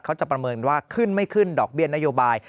ประเมินว่าขึ้นไม่ขึ้นดอกเบี้ยนโยบาย